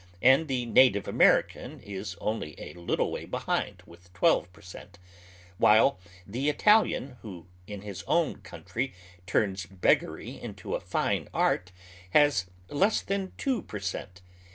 and the native American is only a little way behind with twelve per cent., wliile the Italian, who in his own country turns beggary into a fine art, lias less ttian two per cent.